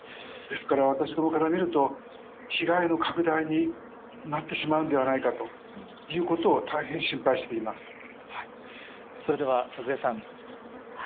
ですから私どもから見ると、被害の拡大になってしまうんではないかということを、大変心配しそれでは鈴江さん。